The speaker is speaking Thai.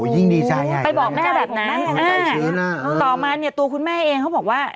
โอ้โหยิ่งดีชายใหญ่ไปบอกแม่แบบนั้นอ่าต่อมาเนี้ยตัวคุณแม่เองเขาบอกว่า